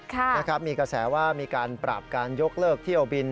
ค่ะนะครับมีกระแสว่ามีการปรับการยกเลิกเที่ยวบิน